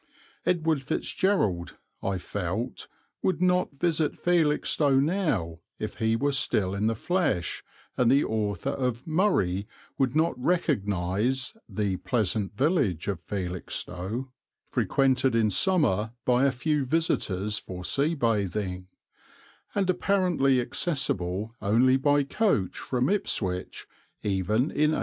Edward Fitzgerald, I felt, would not visit Felixstowe now if he were still in the flesh, and the author of "Murray" would not recognize "the pleasant village of Felixstowe, frequented in summer by a few visitors for sea bathing," and apparently accessible only by coach from Ipswich even in 1875.